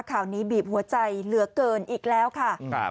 ข่าวนี้บีบหัวใจเหลือเกินอีกแล้วค่ะครับ